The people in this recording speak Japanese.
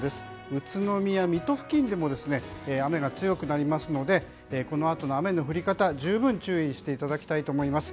宇都宮、水戸付近でも雨が強くなりますのでこのあとの雨の降り方十分注意していただきたいと思います。